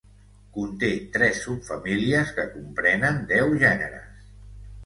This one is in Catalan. Conté tres subfamílies que comprenen deu gèneres.